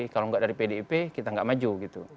kalau nggak dari pdip kita nggak maju gitu